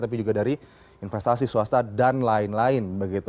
tapi juga dari investasi swasta dan lain lain